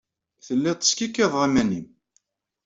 Telliḍ teskikkiḍeḍ iman-nnem.